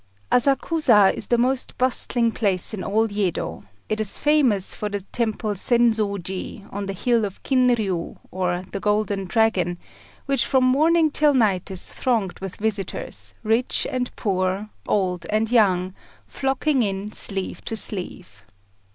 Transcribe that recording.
_ Asakusa is the most bustling place in all Yedo. It is famous for the Temple Sensôji, on the hill of Kinriu, or the Golden Dragon, which from morning till night is thronged with visitors, rich and poor, old and young, flocking in sleeve to sleeve.